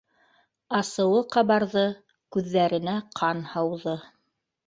Асыуы ҡабарҙы, күҙҙәренә ҡан һауҙы